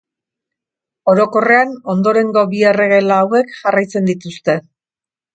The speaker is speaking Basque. Orokorrean ondorengo bi erregela hauek jarraitzen dituzte.